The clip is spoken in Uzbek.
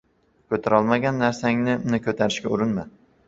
• Ko‘tarolmagan narsanngni ko‘tarishga urinma.